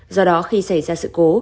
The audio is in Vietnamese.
do đó khi xảy ra sự cố